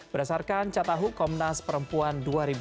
berdasarkan catahu komnas perempuan dua ribu dua puluh